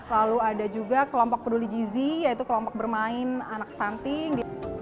lalu ada juga kelompok peduli gizi yaitu kelompok bermain anak stunting